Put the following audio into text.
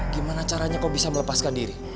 gimana caranya kok bisa melepaskan diri